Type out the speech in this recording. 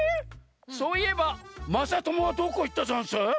そういえばまさともはどこいったざんす？